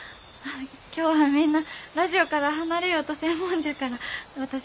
今日はみんなラジオから離れようとせんもんじゃから私が。